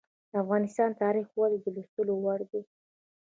د افغانستان تاریخ ولې د لوستلو وړ دی؟